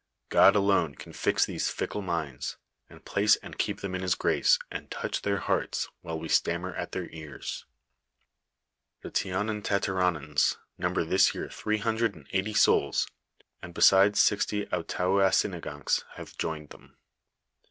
God alone can fix these fickle minds, and place and keep them in his grace, and touch their hearts while we stammer at their ears. " The Tionnontateronnons number this year three hundred and eighty souls, and besides bixty Outaouasinnganx have joined them.